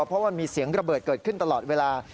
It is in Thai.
เพราะมันมีเสียงระเบิดเกิดขึ้นตลอดเวลา